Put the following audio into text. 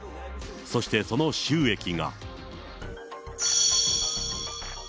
そしてその収益が。